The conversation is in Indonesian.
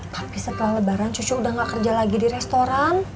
tapi setelah lebaran cucu udah gak kerja lagi di restoran